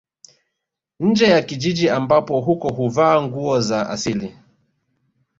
Nje ya kijiji ambapo huko huvaa nguo za asili